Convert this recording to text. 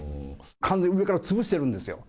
完全に上から潰してるんですよ。